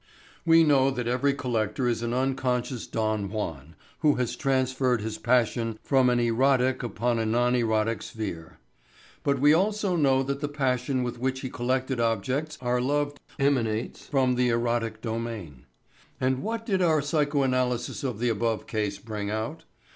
We know that every collector is an unconscious Don Juan who has transferred his passion from an erotic upon a non erotic sphere. But we also know that the passion with which the collected objects are loved emanates from the erotic domain. And what did our psychoanalysis of the above case bring out?